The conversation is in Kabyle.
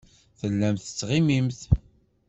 Tellamt tettɣimimt.